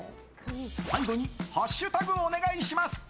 最後にハッシュタグお願いします！